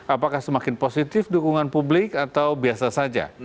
apakah semakin positif dukungan publik atau biasa saja